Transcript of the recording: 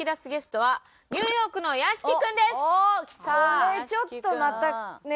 これちょっとまたね